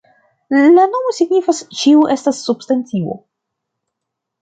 La nomo signifas "Ĉio estas substantivo".